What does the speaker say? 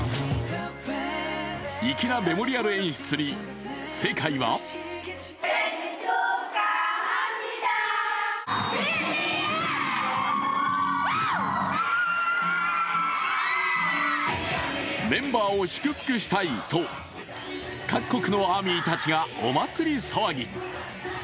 粋なメモリアル演出に世界はメンバーを祝福したいと各国のＡＲＭＹたちがお祭り騒ぎ。